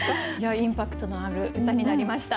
インパクトのある歌になりました。